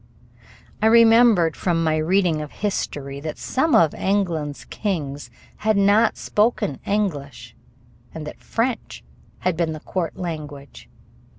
I remembered from my reading of history that some of England's kings had not spoken English and that French had been the court language.